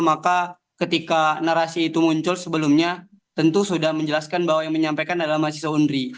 maka ketika narasi itu muncul sebelumnya tentu sudah menjelaskan bahwa yang menyampaikan adalah mahasiswa unri